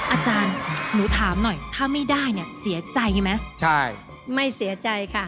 อาจารย์หนูถามหน่อยถ้าไม่ได้เนี่ยเสียใจไหมใช่ไม่เสียใจค่ะ